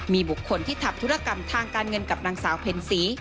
มีบุคคลที่ทำธุรกรรมทางการเงินกับนางสาวเพ็ญศรี